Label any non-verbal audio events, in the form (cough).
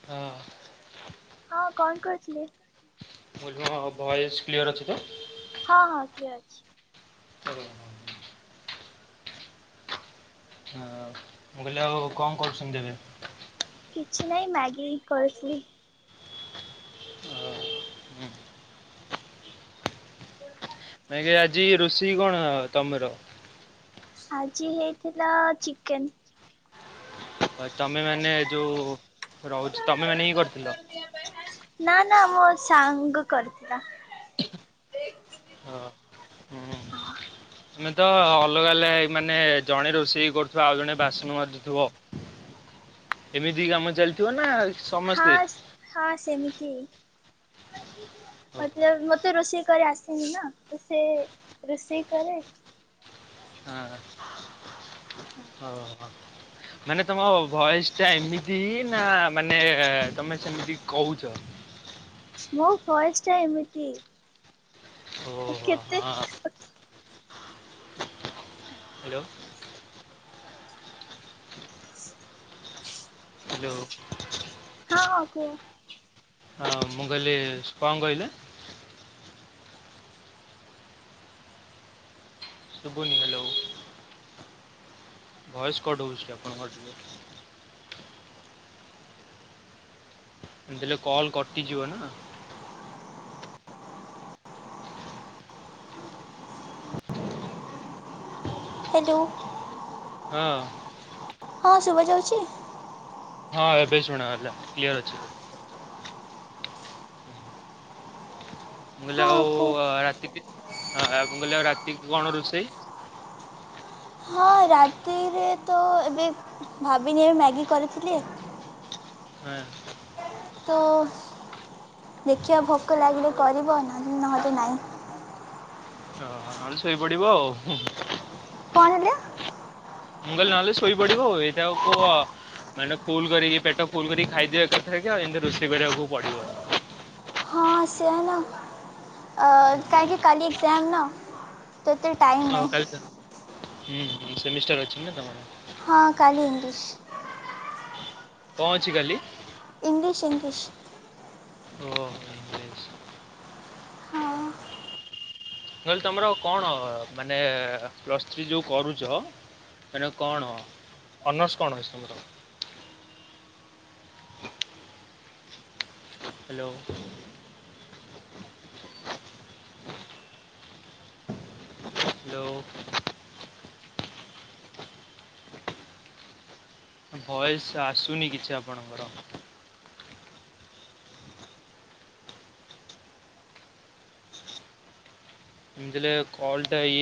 ହଁ (unintelligible) ହଁ କଣ କରିଥିଲି? ମୋ (unintelligible) ଭଏସ କ୍ଲିଅର ଅଛି ତ। ହଁ ହଁ ଠିଆ ହେଇଛି। ହଁ ହଁ ମୁଁ କହିଲି ଆଉ କଣ କରୁଛନ୍ତି ଏବେ? କିଛି ନାହିଁ ମ୍ୟାଗି କରୁଥିଲି। ନାଇ ଆଜି ରୋଷେଇ କ କଣ ତମର? ଆଜି ହେଇଥିଲା ଚିକେନ୍। ହଉ ତମେ ମାନେ ଯେଉଁ ରହୁଛ ତମେ ମାନେ ହିଁ କରିଥିଲ। ନା ନା ମୋ ସାଙ୍ଗ କରିଥିଲା ଆମେ ତ ଅଲଗା ଅଲଗା ହେ ମାନେ ଜଣେ ରୋଷେଇ କରୁଥିବା ଆଉ ଜଣେ ବାସନ ମାଜୁଥିବ ହ ଏମିତି କାମ ଚାଲିଥିବ ନା ହଁ ସମସ୍ତେ? ହଁ ସେମିତି। ହଁ ମତେ ମତେ ରୋଷେଇ କରି ଆସେନି ନା ତ ସେ ରୋଷେଇ କରେ। ହଁ ହଉ ହଉ ହଉ। ମାନେ ତମ ଭଏସ୍ ଟା ଏମିତି ନା ମାନେ ତମେ ସେମିତି କଉଛ। ମୋ ଭଏସ୍ ଟା ଏମିତି। ଓହୋ କେତେ ହଁ। ହ୍ୟାଲୋ। ହ୍ୟାଲୋ। ହଁ ହଁ କୁହ। ହଁ ମୁଁ କହିଲି କଣ କହିଲେ? ସୁଭୁନି ହ୍ୟାଲୋ। ଭଏସ୍ କଟ ହଉଛି ଆପଣଙ୍କ ଟିକେ। ଏମତି ହେଲେ କଲ୍ କଟିଯିବ ନା। ହ୍ୟାଲୋ। ହଁ। ହଁ ଶୁଭାଯାଉଛି? ହଁ ଏବେ ଶୁଣ ଗଲା କ୍ଲିୟର ଅଛି। ମୁଁ କହିଲି ହଁ ଆଉ କୁହ। ରାତିକି ଆ, ମୁଁ କହିଲି ଆଉ ରାତିକି କଣ ରୋଷେଇ? ହଁ ରାତିରେ ତ ଏବେ ଭାବିନି, ଏବେ ମ୍ୟାଗି କରିଥିଲି। ହଁ। ତ ଦେଖିବା ଭୋକ ଲାଗିଲେ କରିବା ନହେଲେ ନାହିଁ। ଓହୋ ନହେଲେ ଶୋଇପଡିବ ହୁଁ। କଣ ହେଲା? ମୁଁ କହିଲି ନହେଲେ ଶୋଇପଡିବ, ଏଇଟା ଆଉ କୁଅ ମାନେ ଫୁଲ କରିକି ପେଟ ଫୁଲ କରିକି ଖାଇଦିଅ ଏକା ଥରେକେ ଆଉ ଏମିତି ରୋଷେଇ କରିବାକୁ ପଡିବନି। ହଁ ସେୟା ନା ଆ କାହିଁକି କାଲି ଏକ୍ସାମ ନା। ତ ଏତେ ଟାଇମ୍। ହଉ ନାହିଁ କାଲି ତ ହୁଁ ହୁଁ ସେମିଷ୍ଟର ଅଛି ନା ତମର। ହଁ କାଲି ଇଂଲିଶ। କଣ ଅଛି କାଲି? English English. ଓ ହୋ। ହଁ ମୁଁ କହିଲି ତମର କଣ ମାନେ ପ୍ଲସ୍ ଥ୍ରୀ ଯୋଉ କରୁଛ। ମାନେ କଣ ଅନର୍ସ କଣ ଅଛି ତମର? ହ୍ୟାଲୋ। ହ୍ୟାଲୋ। ଭଏସ୍ ଆସୁନି କିଛି ଆପଣଙ୍କର। ଏମିତି ହେଲେ କଲଟା ଇ